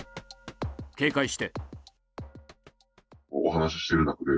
警戒して。